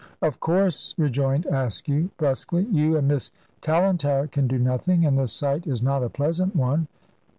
"Of course," rejoined Askew, brusquely. "You and Miss Tallentire can do nothing, and the sight is not a pleasant one."